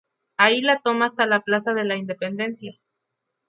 Ahí la toma hasta la plaza de la Independencia.